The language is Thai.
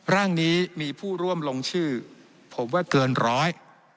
ร่างนี้มีผู้ร่วมลงชื่อผมว่าเกินร้อย